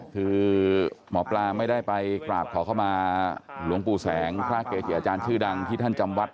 คือหมอปลาไม่ได้ไปกราบขอเข้ามาหลวงปู่แสงพระเกจิอาจารย์ชื่อดังที่ท่านจำวัด